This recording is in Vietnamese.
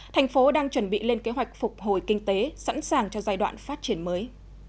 thành phố đang chuẩn bị lên kế hoạch phục hồi kinh tế sẵn sàng cho giai đoạn phát triển mới